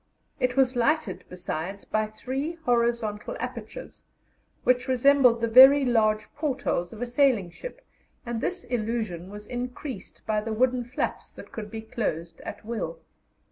It was lighted besides by three horizontal apertures, which resembled the very large portholes of a sailing ship, and this illusion was increased by the wooden flaps that could be closed at will.